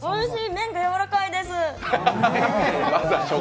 麺がやわらかいです。